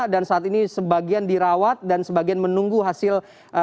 dan saat ini sebagian dirawat dan sebagian menunggu hasil